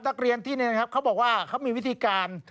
นักเรียนที่นี่นะครับเขาบอกว่าเขามีวิธีการ